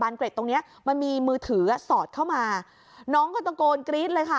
เกร็ดตรงเนี้ยมันมีมือถืออ่ะสอดเข้ามาน้องก็ตะโกนกรี๊ดเลยค่ะ